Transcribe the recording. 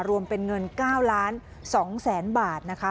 รวมเป็นเงิน๙๒๐๐๐๐๐บาทนะคะ